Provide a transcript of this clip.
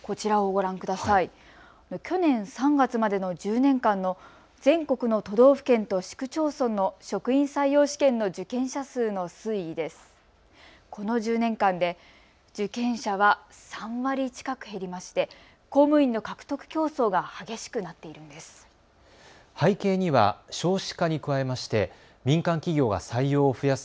この１０年間で受験者は３割近く減りまして公務員の獲得競争が激しくなっているんです。